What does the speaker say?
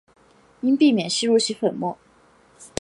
应避免吸入其粉末。